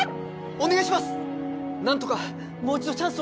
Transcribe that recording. お願いします！